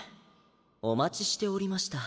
お待ちしておりました。